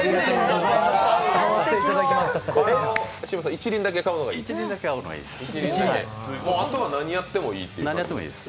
一輪だけ買うのがいいです